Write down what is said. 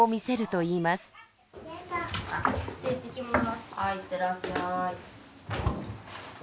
はい行ってらっしゃい。